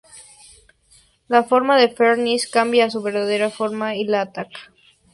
La forma de Fenris cambia a su verdadera forma y la ataca.